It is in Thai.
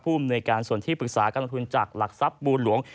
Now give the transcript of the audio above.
อำนวยการส่วนที่ปรึกษาการลงทุนจากหลักทรัพย์บูรหลวง